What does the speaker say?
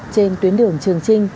trên tuyến đường trường trinh